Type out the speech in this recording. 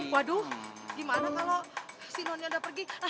waduh gimana kalau si nonnya udah pergi